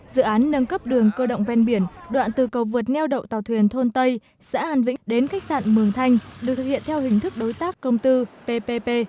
dự án nâng cấp đường cơ động ven biển đoạn từ cầu vượt neo đậu tàu thuyền thôn tây xã an vĩnh đến khách sạn mường thanh được thực hiện theo hình thức đối tác công tư ppp